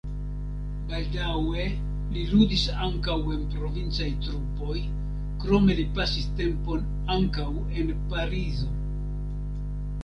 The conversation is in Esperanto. Baldaŭe li ludis ankaŭ en provincaj trupoj, krome li pasis tempon ankaŭ en Parizo.